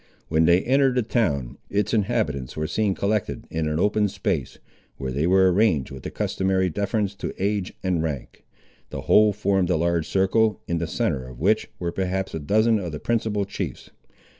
When they entered the town, its inhabitants were seen collected in an open space, where they were arranged with the customary deference to age and rank. The whole formed a large circle, in the centre of which, were perhaps a dozen of the principal chiefs.